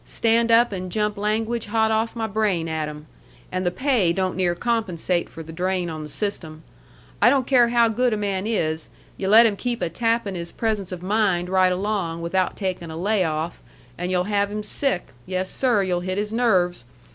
Stand up and jump language hot off my brain at 'em. And the pay don't near compensate for the drain on the system. I don't care how good a man is, you let him keep a tappin' his presence of mind right along, without takin' a lay off, and you'll have him sick. Yes, sir. You'll hit his nerves.